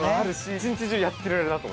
一日中やっていられるなと。